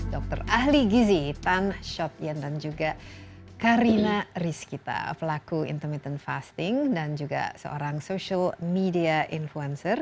dr ahli gizi tan shodian dan juga karina riz kita pelaku intermittent fasting dan juga seorang social media influencer